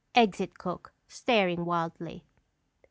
[_Exit cook, staring wildly.